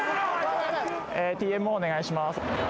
ＴＭＯお願いします。